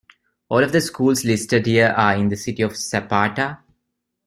All of the schools listed here are in the city of Zapata.